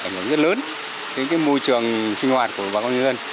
nó giúp lớn cái môi trường sinh hoạt của bà con nhân dân